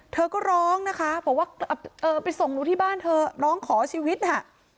เธอก็ร้องนะคะบอกว่าเออไปส่งหนูที่บ้านเธอร้องขอชีวิตน่ะ